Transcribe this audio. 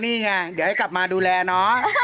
นี่ไงอยากให้กลับมาดูแลนะ